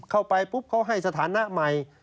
เข้าไปปุ๊บเขาให้สถานะใหม่